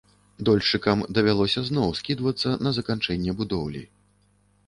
Дольшчыкам давялося зноў скідвацца на заканчэнне будоўлі.